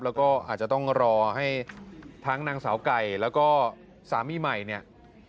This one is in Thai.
แล้วก็อาจจะต้องรอให้ทั้งนางสาวไก่แล้วก็สามีใหม่เนี่ย